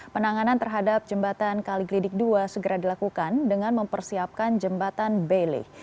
penanganan terhadap jembatan kaliglidik dua segera dilakukan dengan mempersiapkan jembatan bailey